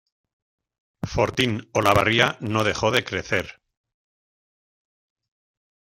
Fortín Olavarría no dejó de crecer.